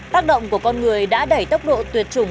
tác động của con người đã đẩy tốc độ tuyệt chủng